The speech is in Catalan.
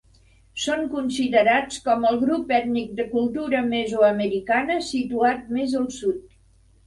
Són considerats com el grup ètnic de cultura mesoamericana situat més al sud.